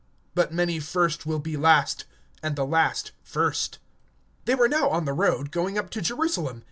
(31)But many first will be last, and the last first. (32)And they were in the way going up to Jerusalem.